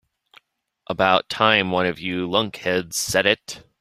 About time one of you lunkheads said it.